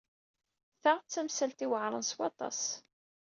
Ta d tamsalt iweɛṛen s waṭas.